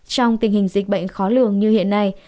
trong tình hình dịch bệnh khó lường như hiện nay